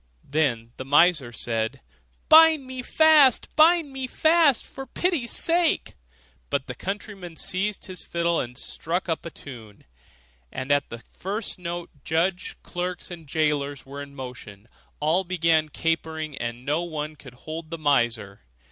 Then the miser said, 'Bind me fast, bind me fast, for pity's sake.' But the countryman seized his fiddle, and struck up a tune, and at the first note judge, clerks, and jailer were in motion; all began capering, and no one could hold the miser.